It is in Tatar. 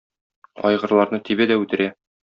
Айгырларны тибә дә үтерә.